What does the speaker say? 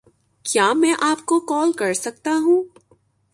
کیا میں آپ کو کال کر سکتا ہوں